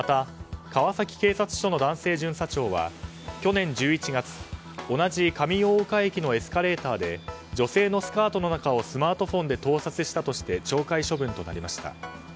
また、川崎警察署の男性巡査長は去年１１月、同じ上大岡駅のエスカレーターで女性のスカートの中をスマートフォンで盗撮したとして懲戒処分となりました。